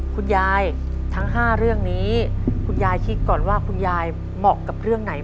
คุณยายทั้ง๕เรื่องนี้คุณยายคิดก่อนว่าคุณยายเหมาะกับเรื่องไหน